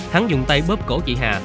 hắn dùng tay bóp cổ chị hà